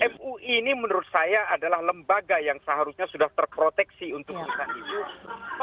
mui ini menurut saya adalah lembaga yang seharusnya sudah terproteksi untuk bisa diurus